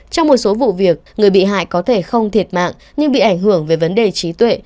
trong một số vụ việc người bị hại có thể không thiệt mạng nhưng bị ảnh hưởng về vấn đề trí tuệ